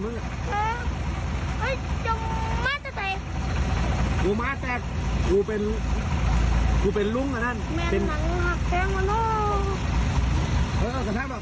มึงไปนอนกันบ้างล่ะ